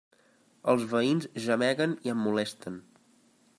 Els veïns gemeguen i em molesten.